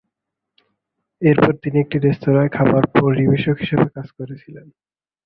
এরপর তিনি একটি রেস্তোঁরায় খাবার পরিবেশক হিসাবে কাজ করেছিলেন।